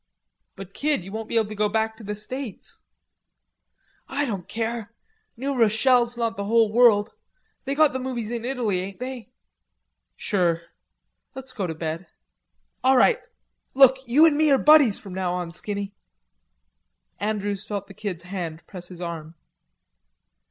"But, Kid, you won't be able to go back to the States." "I don't care. New Rochelle's not the whole world. They got the movies in Italy, ain't they?" "Sure. Let's go to bed." "All right. Look, you an' me are buddies from now on, Skinny." Andrews felt the Kid's hand press his arm.